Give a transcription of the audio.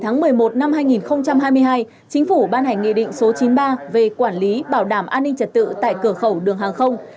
ngày một mươi một năm hai nghìn hai mươi hai chính phủ ban hành nghị định số chín mươi ba về quản lý bảo đảm an ninh trật tự tại cửa khẩu đường hàng không